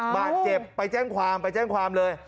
บาดเจ็บไปแจ้งความไปแจ้งความเลย